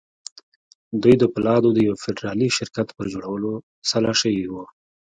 دوی د پولادو د يوه فدرالي شرکت پر جوړولو سلا شوي وو.